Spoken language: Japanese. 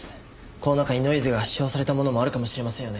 この中にノイズが使用されたものもあるかもしれませんよね。